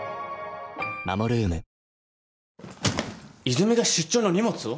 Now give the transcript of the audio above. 泉が出張の荷物を？